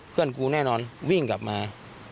เพื่อนกูแน่นอนวิ่งกลับมา